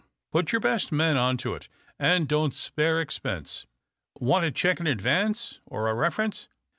Put your best men on to it, and don't spare expense. Want a cheque in advance, or a reference